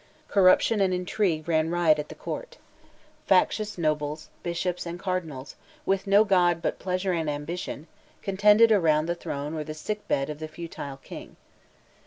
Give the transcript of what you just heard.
Corruption and intrigue ran riot at the court. Factious nobles, bishops, and cardinals, with no God but pleasure and ambition, contended around the throne or the sick bed of the futile King.